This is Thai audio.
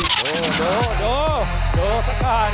โด่สักครั้ง